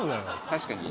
確かに。